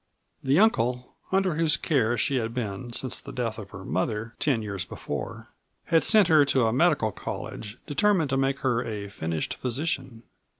The uncle (under whose care she had been since the death of her mother, ten years before) had sent her to a medical college, determined to make her a finished physician.